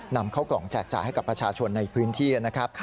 นำเข้ากล่องแจกจ่ายให้กับประชาชนในพื้นที่นะครับ